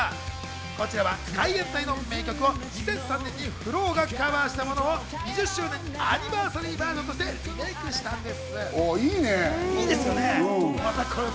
こちらは海援隊の名曲を２００３年にＦＬＯＷがカバーしたものを２０周年アニバーサリーバージョンとしてリメイクしたんです。